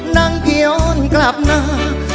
นั่งเกียวนกลับหน้า